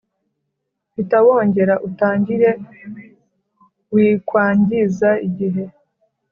hita wongera utangire wikwangiza igihe